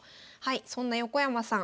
そんな横山さん